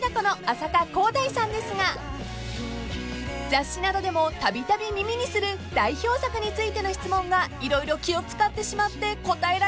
［雑誌などでもたびたび耳にする代表作についての質問が色々気を使ってしまって答えられないそうです］